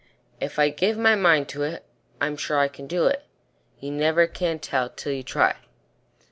If I give my mind to it, I'm sure I can do it You never can tell till you try."